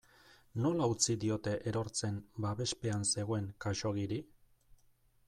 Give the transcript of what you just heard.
Nola utzi diote erortzen babespean zegoen Khaxoggiri?